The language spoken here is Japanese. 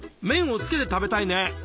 麺をつけて食べたいね。